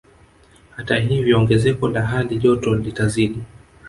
Hata hivyo ongezeko la hali joto litazidi